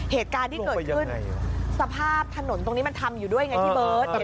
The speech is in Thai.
เหตุการณ์ที่เกิดขึ้นสภาพถนนตรงนี้มันทำอยู่ด้วยไงพี่เบิร์ต